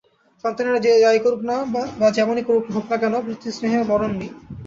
সন্তানেরা যাই করুক বা যেমনই হোক না কেন, পিতৃস্নেহের মরণ নেই।